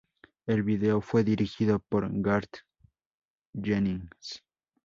El vídeo fue dirigido por Garth Jennings.